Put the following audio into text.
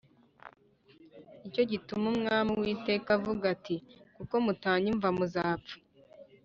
Ni cyo gituma Umwami Uwiteka avuga ati Kuko mutanyumva muzapfa